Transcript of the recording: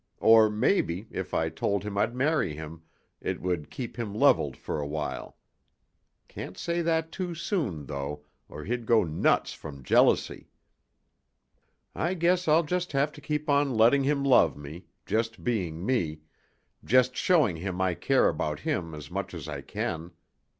Or maybe, if I told him I'd marry him it would keep him leveled for a while. Can't say that too soon, though, or he'd go nuts from jealousy. I guess I'll just have to keep on letting him love me, just being me, just showing him I care about him as much as I can.